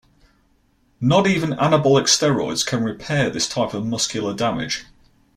Not even anabolic steroids can repair this type of muscular damage.